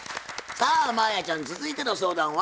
さあ真彩ちゃん続いての相談は？